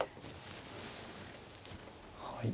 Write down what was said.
はい。